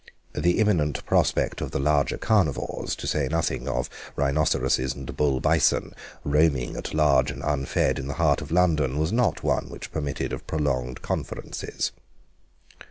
The imminent prospect of the larger carnivores, to say nothing of rhinoceroses and bull bison, roaming at large and unfed in the heart of London, was not one which permitted of prolonged conferences.